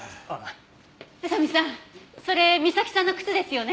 宇佐見さんそれみさきさんの靴ですよね？